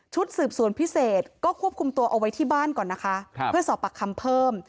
สืบสวนพิเศษก็ควบคุมตัวเอาไว้ที่บ้านก่อนนะคะเพื่อสอบปากคำเพิ่ม